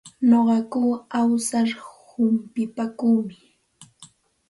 Nuqaku awsar humpipaakuumi.